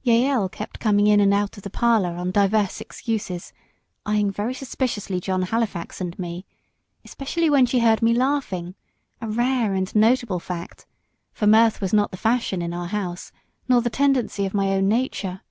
Jael kept coming in and out of the parlour on divers excuses, eyeing very suspiciously John Halifax and me; especially when she heard me laughing a rare and notable fact for mirth was not the fashion in our house, nor the tendency of my own nature.